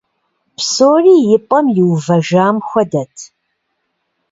Псори и пӏэм иувэжам хуэдэт.